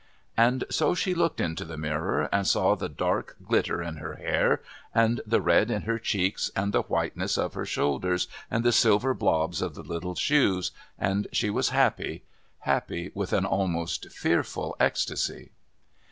And so she looked into the mirror and saw the dark glitter in her hair and the red in her cheeks and the whiteness of her shoulders and the silver blobs of the little shoes, and she was happy happy with an almost fearful ecstasy.